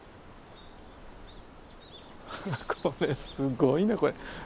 これすごいなこれ。